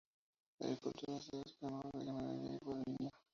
Agricultura de secano y ganadería bovina y porcina.